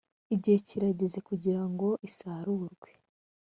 igihe kirageze kugira ngo isarurwe